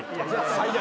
最悪。